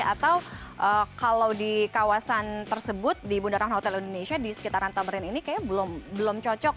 atau kalau di kawasan tersebut di bundaran hotel indonesia di sekitaran tamrin ini kayaknya belum cocok